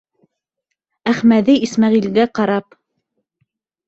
Әхмәҙи Исмәғилгә ҡарап: